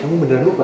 kamu beneran lupa